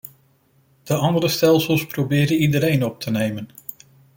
De andere stelsels proberen iedereen op te nemen.